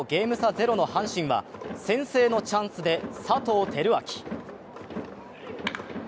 ゼロの阪神は先制のチャンスで佐藤輝明。